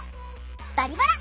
「バリバラ」